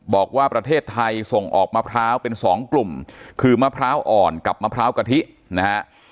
บอกว่าประเทศไทยส่งออกมะพร้าวเป็นสองกลุ่มคือมะพร้าวอ่อนกับมะพร้าวกะทินะฮะ